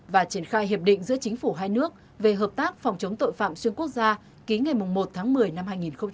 và triển khai hiệp định giữa chính phủ hai nước về hợp tác phòng chống tội phạm xuyên quốc gia ký ngày một tháng một mươi năm hai nghìn một mươi chín